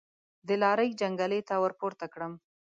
د لارۍ جنګلې ته ورپورته کړم.